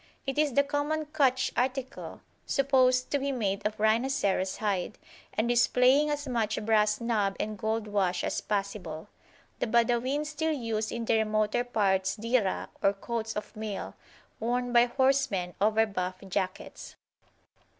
It is the common Cutch article, supposed to be made of rhinoceros hide, and displaying as much brass knob and gold wash as possible. The Badawin still use in the remoter parts Diraa, or coats of mail, worn by horsemen over buff jackets.